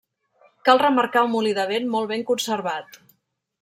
Cal remarcar un molí de vent molt ben conservat.